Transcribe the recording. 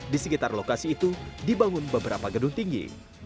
di sekitar lokasi itu dibangun beberapa gedung tinggi